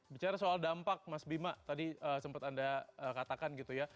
bicara soal dampak mas bima tadi sempat anda katakan gitu ya